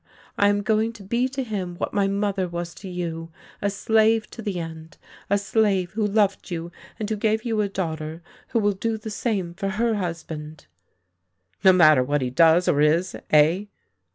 I am going to be to him what my mother was to you, a slave to the end — a slave who loved you, and who gave you a daughter who will do the same for her husband "" No matter what he does or is — eh?